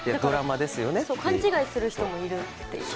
勘違いする人もいるという。